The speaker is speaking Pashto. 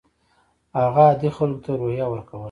هغه عادي خلکو ته روحیه ورکوله.